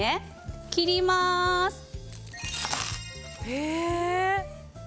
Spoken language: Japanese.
へえ。